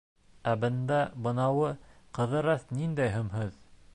Ә бында бынауы Ҡыҙырас ниндәй һөмһөҙ!..